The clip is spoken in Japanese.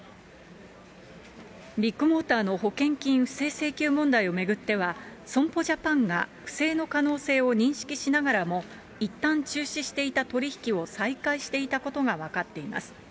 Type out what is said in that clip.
ビッグモーターの保険金不正請求問題を巡っては、損保ジャパンが不正の可能性を認識しながらも、いったん中止していた取り引きを再開していたことが分かっています。